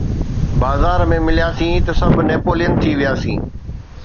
بازار ۾ ملياسين ته سڀ نيپولين ٿي وياسين.